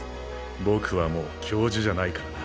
僕はもう教授じゃないからな。